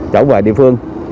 trở về địa phương